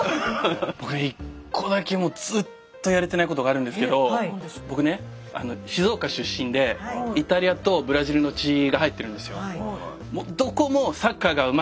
俺１個だけもうずっとやれてないことがあるんですけど僕ね静岡出身でイタリアとブラジルの血が入ってるんですよ。